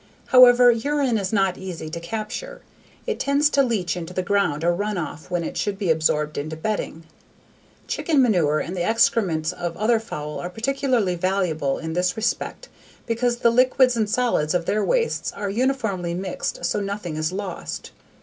However, urine is not easy to capture. It tends to leach into the ground or run off when it should be absorbed into bedding. Chicken manure and the excrements of other fowl are particularly valuable in this respect because the liquids and solids of their waste are uniformly mixed so nothing is lost.